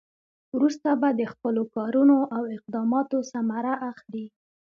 وروسته به د خپلو کارونو او اقداماتو ثمره اخلي.